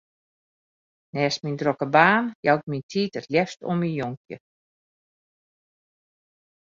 Neist myn drokke baan jou ik myn tiid it leafst oan myn jonkje.